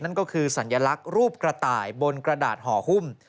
นั่นก็คือสัญลักษณ์รูปกระต่ายบนกระดาษห่อหุ้ม